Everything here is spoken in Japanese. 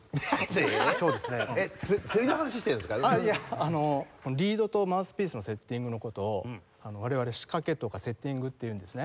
あのリードとマウスピースのセッティングの事を我々仕掛けとかセッティングって言うんですね。